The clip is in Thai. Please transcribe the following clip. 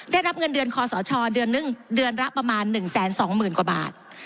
ได้รับเงินเดือนคอสอชอเดือนหนึ่งเดือนละประมาณหนึ่งแสนสองหมื่นกว่าบาท